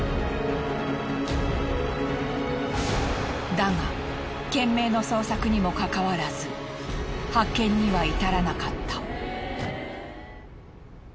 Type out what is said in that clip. だが懸命の捜索にもかかわらず発見には至らなかった。